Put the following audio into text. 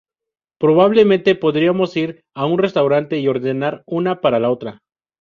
Probablemente podríamos ir a un restaurante y ordenar una para la otra.